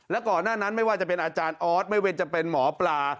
แล้วก่อนหน้านั้นไม่ว่าจะเป็นอาจารย์ออสไม่ว่าจะเป็นหมอปลา